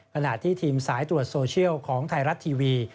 ขณะที่ทีมสายตรวจโซเชียลของไทยรัฐทีวี